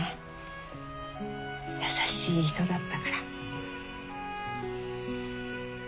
優しい人だったから。